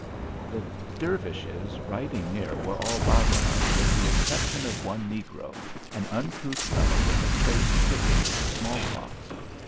The Dervishes riding near were all Baggara with the exception of one negro, an uncouth fellow with a face pitted with smallpox.